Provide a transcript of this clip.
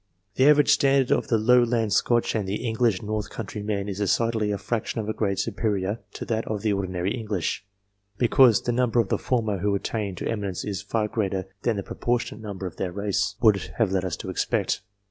The average standard of the Lowland Scotch and the English North country men is decidedly a fraction of a grade supecicoLto that of the ordinary English, because the nuihber of the former who attain to eminence is far greater than the proportionate number of their race would have led us to expect.